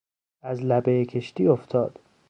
از لبهی کشتی افتاد.